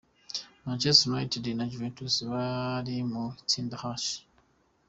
Manchester United na Juventus bari mu itsinda H.